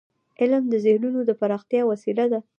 علم د ذهنونو د پراختیا وسیله ده.